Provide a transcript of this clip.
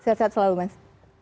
sehat sehat selalu mas